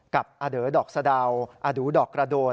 กับอเดอร์ดอกสะดาวอดูดอกกระโดน